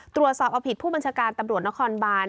ตรวจสอบเอาผิดผู้บัญชาการตำรวจนครบาน